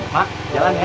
mak jalan ya